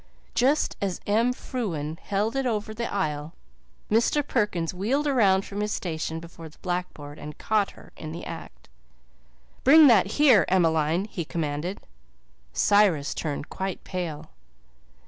Just as Em Frewen held it over the aisle Mr. Perkins wheeled around from his station before the blackboard and caught her in the act. "Bring that here, Emmeline," he commanded. Cyrus turned quite pale.